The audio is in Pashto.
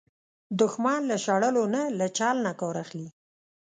دښمن له شړلو نه، له چل نه کار اخلي